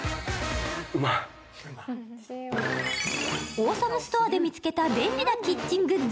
オーサムストアで見つけた便利なキッチングッズ。